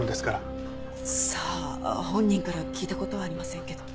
さあ本人から聞いた事はありませんけど。